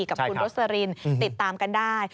กับคุณโรสลินติดตามกันได้